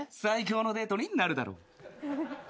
最高のデートになるだろう。